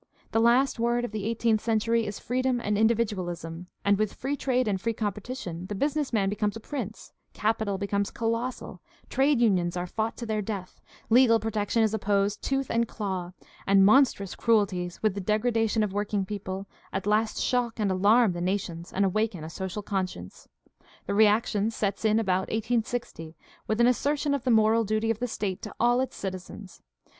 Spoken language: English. The last word of the eighteenth century is freedom and individualism ; and with free trade and free competition the business man becomes a prince, capital becomes colossal, trade unions are fought to their death, legal protection is opposed tooth and claw, and monstrous cruelties, with the degradation of work ing people, at last shock and alarm the nations and awaken a social conscience. The reaction sets in about i860 with an assertion of the moral duty of the state to all its citizens.